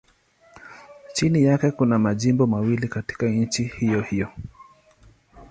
Chini yake kuna majimbo mawili katika nchi hiyohiyo.